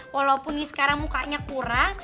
walaupun sekarang mukanya kurang